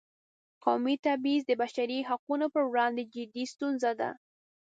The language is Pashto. قومي تبعیض د بشري حقونو پر وړاندې جدي ستونزه ده.